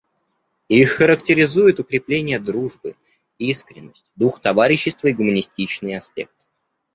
Их характеризует укрепление дружбы, искренность, дух товарищества и гуманистичный аспект.